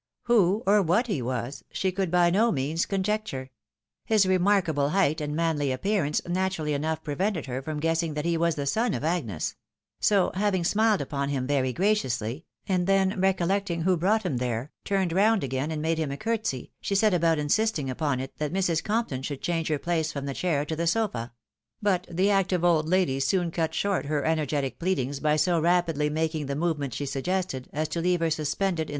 Who, or what he was, she could by no means con jecture ; his remarkable height and manly appearance naturally enough prevented her from guessing that he was the son of Agnes ; so having smiled upon him very graciously, and then recollecting who brought him there, turned round again and made him a courtesy, she set about insisting upon it that Mrs. Compton should change her place from the chair to the sofa ; but the active old lady soon cut short her energetic pleadings by so rapidly mating the movement sha suggested, as to leave her suspended ba.